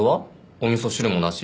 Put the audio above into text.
おみそ汁もなし？